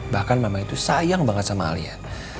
bahkan memang itu sayang banget sama alia